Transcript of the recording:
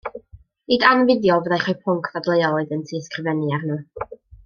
Nid anfuddiol fyddai rhoi pwnc dadleuol iddynt i ysgrifennu arno.